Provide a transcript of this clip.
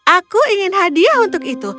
aku ingin hadiah untuk itu